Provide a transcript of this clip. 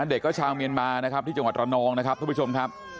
เด็กก็ชาวเมียนมานะครับที่จังหวัดระนองนะครับทุกผู้ชมครับ